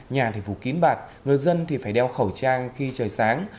nhà thì phủ kín bạc người dân thì phải đeo khẩu trang khi trời sáng